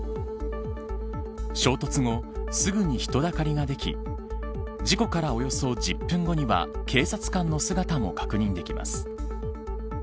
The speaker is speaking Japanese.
衝突後、すぐに人だかりができ事故からおよそ１０分後には警察官の姿も確認できます。